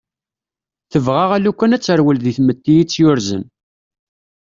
Tebɣa alukan ad terwel deg tmetti itt-yurzen.